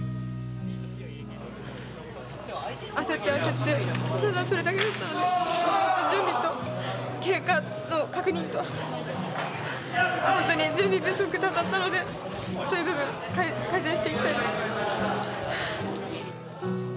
焦って焦ってただそれだけだったので準備と結果の確認と本当に準備不足だったのでそういう部分改善していきたいです。